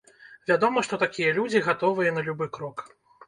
Вядома, што такія людзі гатовыя на любы крок.